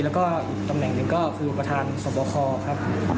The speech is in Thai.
และอีกตำแหน่งหนึ่งก็คือประธานศพพลคอร์ครับ